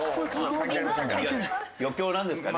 余興なんですかね。